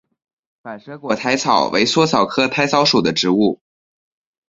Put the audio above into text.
反折果薹草为莎草科薹草属的植物。